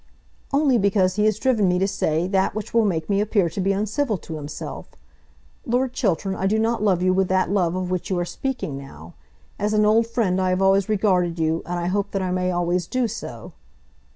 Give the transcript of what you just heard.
"Only because he has driven me to say that which will make me appear to be uncivil to himself. Lord Chiltern, I do not love you with that love of which you are speaking now. As an old friend I have always regarded you, and I hope that I may always do so."